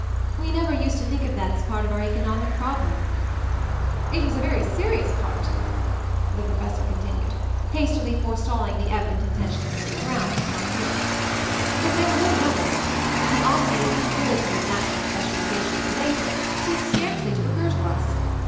"We never used to think of that as part of our economic prob lem." "It was a very serious part," the professor continued, hastily forestalling the evident intention of Mr. Brown to strike in, "but there were many others. The obvious util ity of natural specialization in labor seemed scarcely to occur to us.